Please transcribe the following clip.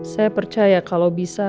saya percaya kalau bisa